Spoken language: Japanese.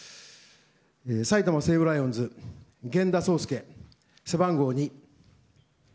埼玉西武ライオンズ源田壮亮、背番号２。